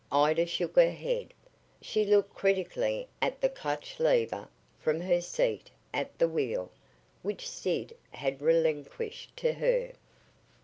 Ida shook her head. She looked critically at the clutch lever, from her seat at the wheel, which Sid had relinquished to her.